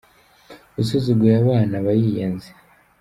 Usuzuguye abana aba yiyanze.